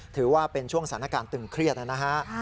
ถือว่าเป็นช่วงสถานการณ์ตึงเครียดนะฮะ